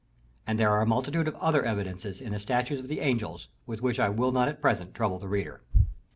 And there are a multitude of other evidences in the statues of the angels, with which I shall not at present trouble the reader.